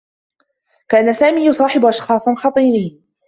كان سامي يصاحب أشخاصا خطيرين.